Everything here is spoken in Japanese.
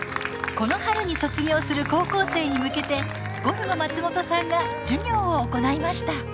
この春に卒業する高校生に向けてゴルゴ松本さんが授業を行いました